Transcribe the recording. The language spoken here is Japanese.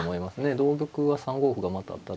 同玉は３五歩がまた当たるので。